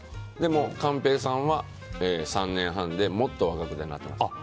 でも、寛平さんは３年半でもっと若くてなってます。